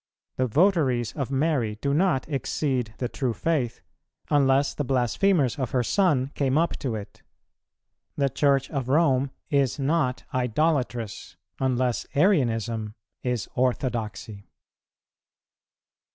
The votaries of Mary do not exceed the true faith, unless the blasphemers of her Son came up to it. The Church of Rome is not idolatrous, unless Arianism is orthodoxy.